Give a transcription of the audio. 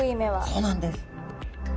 そうなんです。